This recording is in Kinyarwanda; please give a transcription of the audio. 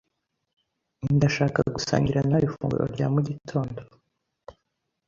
Ndashaka gusangira nawe ifunguro rya mu gitondo.